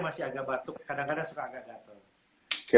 masih agak batuk kadang kadang suka agak gatel